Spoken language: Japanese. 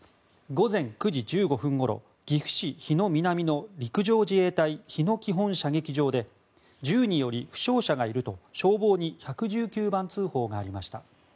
午前９時１５分ごろ岐阜市日野南の陸上自衛隊日野基本射撃場で銃により負傷者がいると消防に１１９番通報がありました。